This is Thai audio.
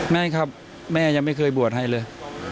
ไม่ครับแม่ยังไม่เคยบวชให้เลย